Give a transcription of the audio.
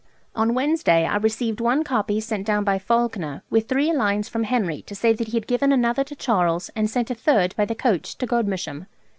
On Wednesday I received one copy sent down by Falkener, with three lines from Henry to say that he had given another to Charles and sent a third by the coach to Godmersham